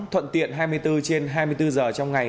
thuận tiện hai mươi bốn trên hai mươi bốn giờ trong ngày